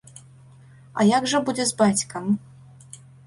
А як жа будзе з бацькам?